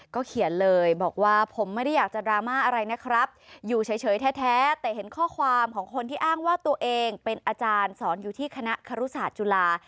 เขียนเลยบอกว่าผมไม่ได้อยากจะดราม่าอะไรนะครับอยู่เฉยแท้แต่เห็นข้อความของคนที่อ้างว่าตัวเองเป็นอาจารย์สอนอยู่ที่คณะครุศาสตร์จุฬา